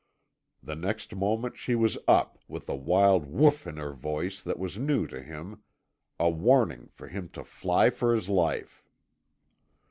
The next moment she was up, with a wild WHOOF in her voice that was new to him a warning for him to fly for his life.